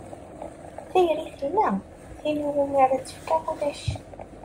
Tayri tella, tin iwumi ara tt-fkeɣ ulac.